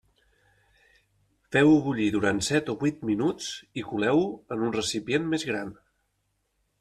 Feu-ho bullir durant set o vuit minuts i coleu-ho en un recipient més gran.